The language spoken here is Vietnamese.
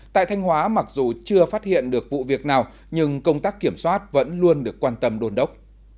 tại thanh hóa mặc dù chưa phát hiện được vụ việc nào nhưng công tác kiểm soát vẫn luôn được quan tâm đôn đốc